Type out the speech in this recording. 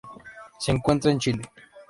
Se encuentra en Chile.